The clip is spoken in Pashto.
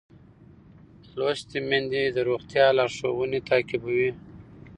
لوستې میندې د روغتیا لارښوونې تعقیبوي.